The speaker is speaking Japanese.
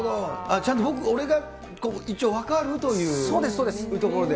ちゃんと俺が一応分かるというところで。